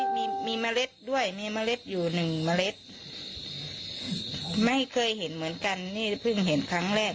มีมีเมล็ดด้วยมีเมล็ดอยู่หนึ่งเมล็ดไม่เคยเห็นเหมือนกันนี่เพิ่งเห็นครั้งแรก